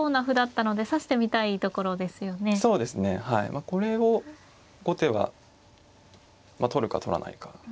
まあこれを後手はまあ取るか取らないか。